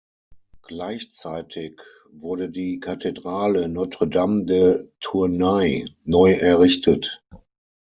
Gleichzeitig wurde die Kathedrale Notre-Dame de Tournai neu errichtet.